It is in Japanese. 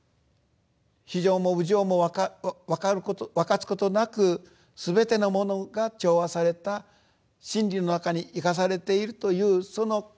非情も有情も分かつことなくすべてのものが調和された真理の中に生かされているというその価値観